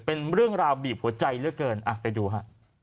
เป็นเรื่องราวบีบหัวใจเหลือเกินไปดูฮะ